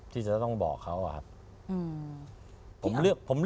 ที่จะต้องบอกเขาอะครับ